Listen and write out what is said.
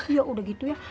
yaudah gitu ya